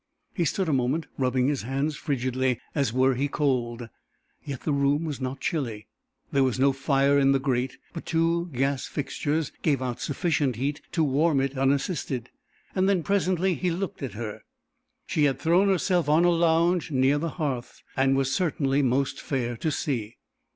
He stood a moment rubbing his hands frigidly, as were he cold, yet the room was not chilly. There was no fire in the grate, but two gas fixtures gave out sufficient heat to warm it unassisted. Then presently he looked at her. She had thrown herself on a lounge near the hearth, and was certainly most fair to see.